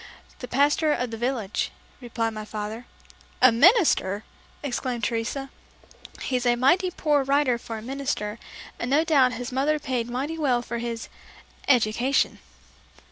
"The Pastor of the village," replied my father. "A minister!" exclaimed Teresa. "He's a mighty poor writer for a minister, and no doubt his mother paid mighty well for his 'education.'"